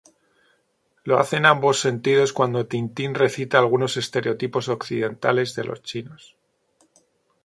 Lo hace en ambos sentidos cuando Tintín recita algunos estereotipos occidentales de los chinos.